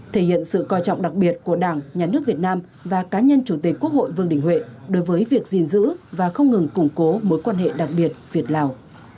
thể hiện sự coi trọng đặc biệt của đảng nhà nước việt nam và cá nhân chủ tịch quốc hội vương đình huệ đối với việc gìn giữ và không ngừng củng cố mối quan hệ đặc biệt việt lào